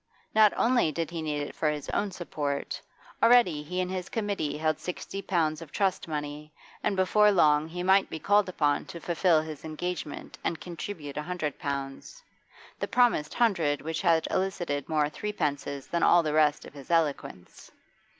Not only did he need it for his own support; already he and his committee held sixty pounds of trust money, and before long he might be called upon to fulfil his engagement and contribute a hundred pounds the promised hundred which had elicited more threepences than all the rest of his eloquence.